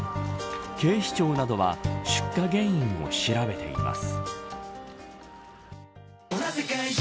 警視庁などは出火原因を調べています。